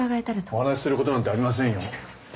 お話しすることなんてありませんよ。